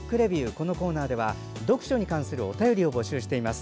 このコーナーでは読書に関するお便りを募集しています。